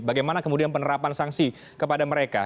bagaimana kemudian penerapan sanksi kepada mereka